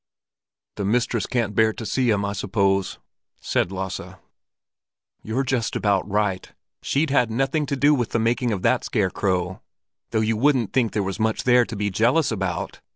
"The mistress can't bear to see him, I suppose?" said Lasse. "You're just about right. She's had nothing to do with the making of that scarecrow. Though you wouldn't think there was much there to be jealous about!